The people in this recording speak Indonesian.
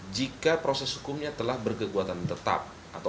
jika proses hukumnya telah berkekuatan tetap